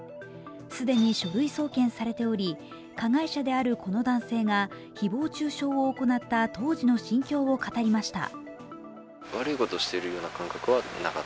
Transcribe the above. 既に書類送検されており、加害者であるこの男性が誹謗中傷を行った当時の心境を語りました。